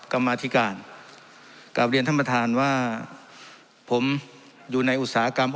กรรมาธิการกลับเรียนท่านประธานว่าผมอยู่ในอุตสาหกรรม